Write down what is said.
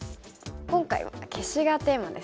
今回は消しがテーマですね。